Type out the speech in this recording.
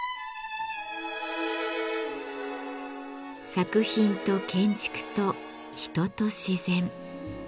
作品と建築と人と自然。